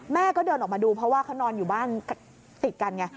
แม่ก็เดินออกมาดูเพราะว่าเขานอนอยู่บ้านติดกันไง